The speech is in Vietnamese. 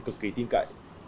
cực kỳ tin cậy